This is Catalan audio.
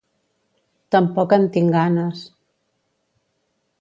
Tampoc en tinc ganes...